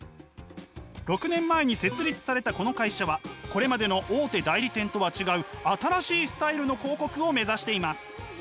６年前に設立されたこの会社はこれまでの大手代理店とは違う新しいスタイルの広告を目指しています。